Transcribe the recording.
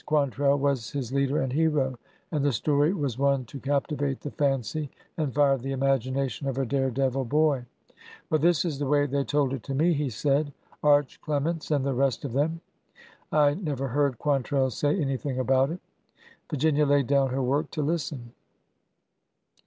Quantrell was his leader and hero, and the story was one to capti vate the fancy and fire the imagination of a daredevil boy. Well, this is the way they told it to me," he said, —'' Arch Clements and the rest of them. I never heard Quantrell say anything about it." Virginia laid down her work to listen.